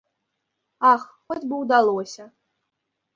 Ах, хоць бы ўдалося!